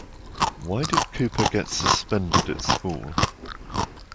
Why did Cooper get suspended at school?